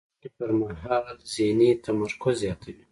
هګۍ د زده کړې پر مهال ذهني تمرکز زیاتوي.